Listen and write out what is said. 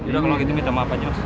udah kalau gitu minta maaf aja mas